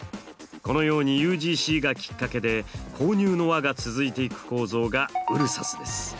このようにＵＧＣがきっかけで購入の輪が続いていく構造がＵＬＳＳＡＳです。